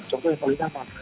contohnya kalau di kampung